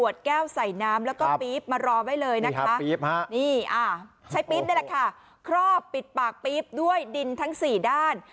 นี่ใช้ปี๊บนี่แหละค่ะครอบปิดปากปี๊บด้วยดินทั้ง๔ด้าน